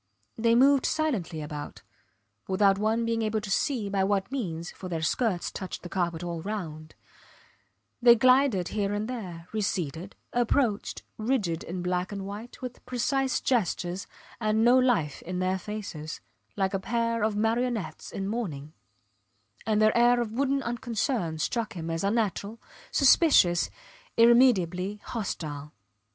They moved silently about, without one being able to see by what means, for their skirts touched the carpet all round; they glided here and there, receded, approached, rigid in black and white, with precise gestures, and no life in their faces, like a pair of marionettes in mourning; and their air of wooden unconcern struck him as unnatural, suspicious, irremediably hostile.